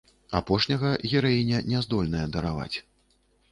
Апошняга гераіня не здольная дараваць.